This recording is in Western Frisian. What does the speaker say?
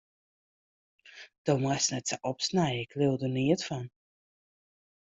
Do moatst net sa opsnije, ik leau der neat fan.